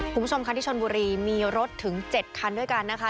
คุณผู้ชมค่ะที่ชนบุรีมีรถถึง๗คันด้วยกันนะคะ